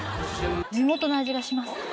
地元の味がします。